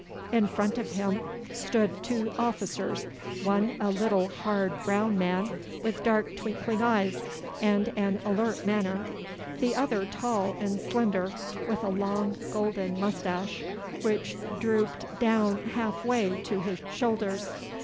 In front of him stood two officers, one a little hard brown man with dark twinkling eyes and an alert manner, the other tall and slender, with a long golden moustache, which drooped down half way to his shoulders.